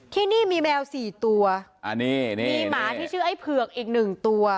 ที่นี่มีแมวสี่ตัวอ่านี่นี่มีหมาที่ชื่อไอ้เผือกอีกหนึ่งตัว